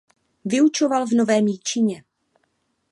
Vyučoval v Novém Jičíně.